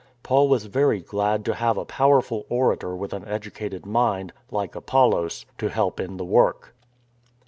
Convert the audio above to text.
Paul was very glad to have a powerful orator with an educated mind, like Apollos, to help in the work.